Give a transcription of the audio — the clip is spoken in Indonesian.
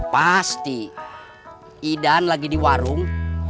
pasti idan lagi di warung